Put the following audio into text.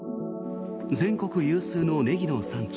全国有数のネギの産地